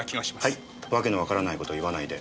はいわけのわからない事言わないで。